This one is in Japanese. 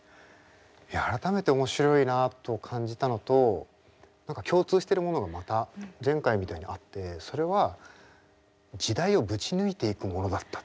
いや改めて面白いなと感じたのと何か共通してるものがまた前回みたいにあってそれは時代をぶち抜いていくものだったっていう。